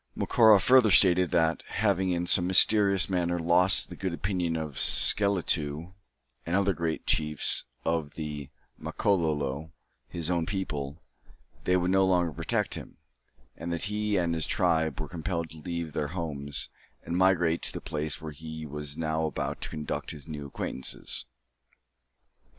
Macora further stated that, having in some mysterious manner lost the good opinion of Sekeletu and other great chiefs of the Makololo, his own people, they would no longer protect him, and that he and his tribe were compelled to leave their homes, and migrate to the place where he was now about to conduct his new acquaintances.